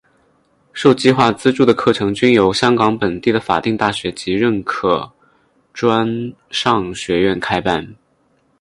受计划资助的课程均由香港本地的法定大学及认可专上学院开办。